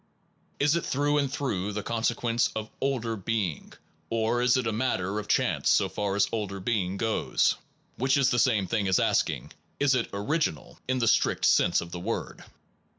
Is it through and through the consequence of older being or is it matter of chance so far as older being goes? which is the same thing as asking: Is it original, in the strict sense of the word?